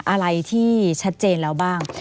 อะไรที่ชัดเจนแล้วบ้าง